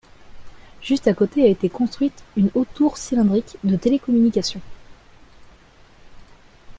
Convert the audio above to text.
Juste à côté a été construite une haute tour cylindrique de télécommunication.